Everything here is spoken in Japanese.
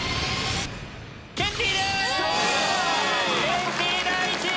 ケンティー第１位！